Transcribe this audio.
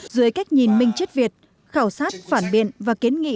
dưới cách nhìn minh chất việt khảo sát phản biện và kiến nghị